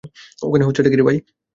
ওখানে হচ্ছেটা কী?